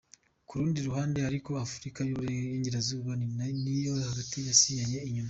Ku rundi ruhande ariko, Afurika y'iburengerazuba n'iyo hagati, zasigaye inyuma.